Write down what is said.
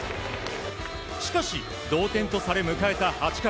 しかし、同点とされ迎えた８回。